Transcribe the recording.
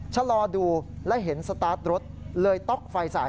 ชะลอดูและเห็นสตาร์ทรถเลยต๊อกไฟสาย